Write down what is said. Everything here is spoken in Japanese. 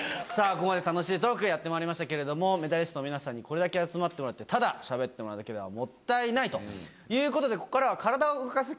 ここまで楽しいトークやってまいりましたけれどもメダリストの皆さんにこれだけ集まってもらってただしゃべってもらうだけではもったいないということでここからは体を動かす企画